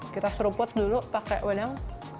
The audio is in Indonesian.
kita seruput dulu pakai wedang